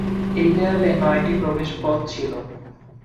এই দেয়ালে নয়টি প্রবেশপথ ছিল।